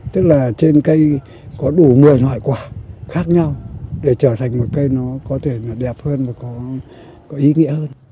tức là trên cây có đủ một mươi loại quả khác nhau để trở thành một cây nó có thể nó đẹp hơn và có ý nghĩa hơn